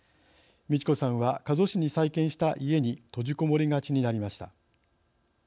道子さんは加須市に再建した家に閉じこもりがちになりました。